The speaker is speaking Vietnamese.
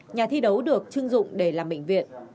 nhà thi đấu được chưng dụng để làm bệnh viện